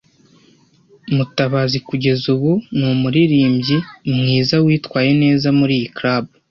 Mutabazi kugeza ubu ni umuririmbyi mwiza witwaye neza muri iyi club.